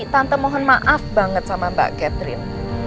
tante mohon maaf banget sama mbak catherine